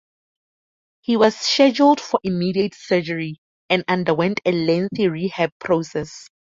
He was scheduled for immediate surgery, and underwent a lengthy rehab process.